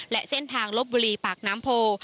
และเส้นทางลบบุรีปากน้ำโพ